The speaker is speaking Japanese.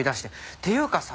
っていうかさ